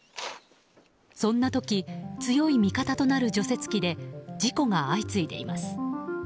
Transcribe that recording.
そんな時強い味方となる除雪機で事故が相次いでいます。